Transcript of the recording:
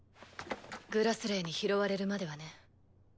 「グラスレー」に拾われるまではね。